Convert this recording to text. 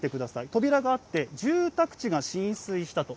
扉があって、住宅地が浸水したと。